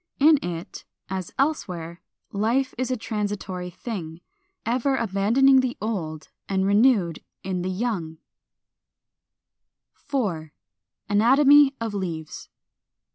In it, as elsewhere, life is a transitory thing, ever abandoning the old, and renewed in the young. § 4. ANATOMY OF LEAVES.